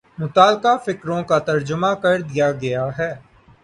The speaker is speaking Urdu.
متعلقہ فقروں کا ترجمہ کر دیا گیا ہے